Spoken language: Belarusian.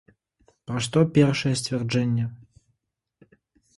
Пра што першае сцвярджэнне?